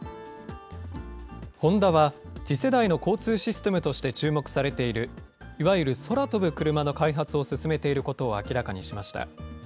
ホンダは次世代の交通システムとして注目されている、いわゆる空飛ぶクルマの開発を進めていることを明らかにしました。